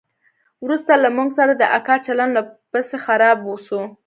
وروسته له موږ سره د اکا چلند لا پسې خراب سو.